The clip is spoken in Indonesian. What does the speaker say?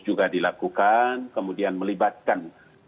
bagaimana pengetahuan terhadap protokol